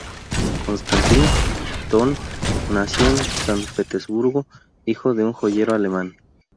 Konstantín Thon nació en San Petersburgo, hijo de un joyero alemán.